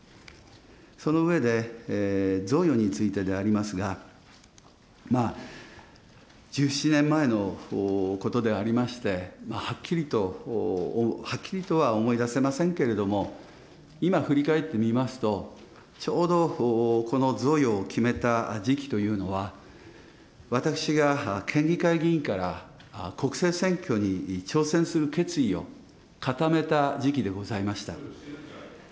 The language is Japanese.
その上で、贈与についてでありますが、１７年前のことでありまして、はっきりと、はっきりとは思い出せませんけれども、今、振り返ってみますと、ちょうどこの贈与を決めた時期というのは、私が県議会議員から国政選挙に挑戦する決意を固めた時期でございました。